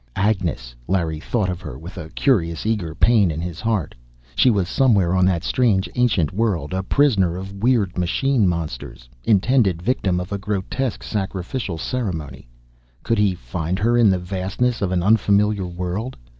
Agnes! Larry thought of her with a curious, eager pain in his heart. She was somewhere on that strange, ancient world, a prisoner of weird machine monsters! Intended victim of a grotesque sacrificial ceremony! Could he find her, in the vastness of an unfamiliar world?